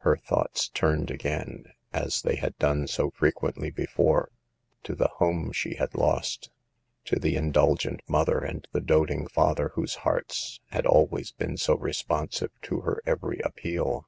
Her thoughts turned again, as they had done so frequently before, to the home she had lost ; to the indulgent mother and the doting father whose hearts had always been so responsive to her every appeal.